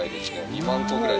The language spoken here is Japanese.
２万個ぐらい。